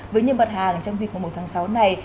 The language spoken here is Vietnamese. với những mặt hàng trong dịp một tháng sáu này